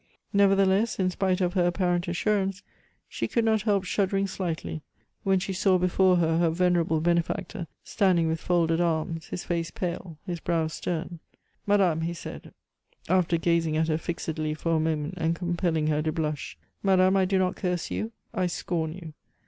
Nevertheless, in spite of her apparent assurance, she could not help shuddering slightly when she saw before her her venerable benefactor, standing with folded arms, his face pale, his brow stern. "Madame," he said, after gazing at her fixedly for a moment and compelling her to blush, "Madame, I do not curse you I scorn you.